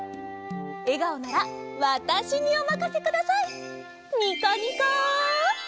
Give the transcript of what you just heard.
えがおならわたしにおまかせください！